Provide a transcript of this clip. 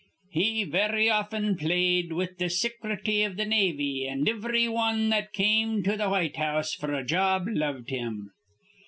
He very often played with th' Sicrety iv th' Navy, an' ivry wan that come to th' White House f'r a job loved him.